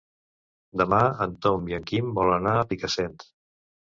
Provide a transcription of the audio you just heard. Demà en Tom i en Quim volen anar a Picassent.